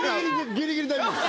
ギリギリ大丈夫です。